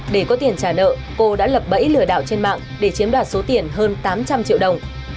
để có tiền trả nợ cô đã lập bẫy lừa đảo trên mạng để chiếm đoạt số tiền hơn tám trăm linh triệu đồng